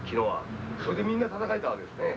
それでみんなたたかれたわけですね。